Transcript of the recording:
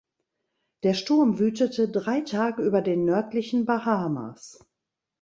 Der Sturm wütete drei Tage über den nördlichen Bahamas.